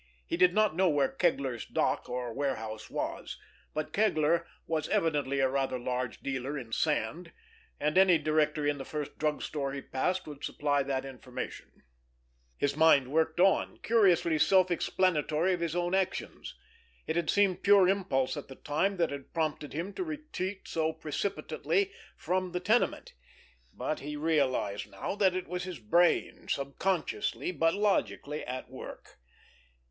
He did not know where Kegler's dock or warehouse was, but Kegler was evidently a rather large dealer in sand, and any directory in the first drug store he passed would supply that information. His mind worked on—curiously self explanatory of his own actions. It had seemed pure impulse at the time that had prompted him to retreat so precipitately from the tenement; but he realized now that it was his brain subconsciously, but logically, at work.